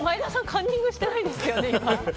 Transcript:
カンニングしてないですよね？